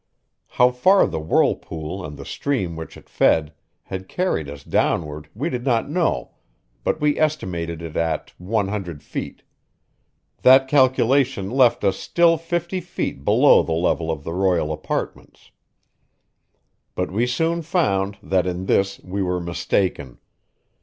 How far the whirlpool and the stream which it fed had carried us downward we did not know, but we estimated it at one hundred feet. That calculation left us still fifty feet below the level of the royal apartments. But we soon found that in this we were mistaken.